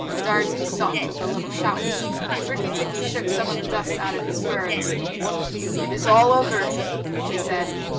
Darzee stopped with a little shout. Rikki tikki shook some of the dust out of his fur and sneezed. "It is all over," he said.